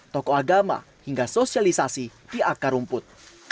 tokoh agama hingga sosialisasi di akar rumput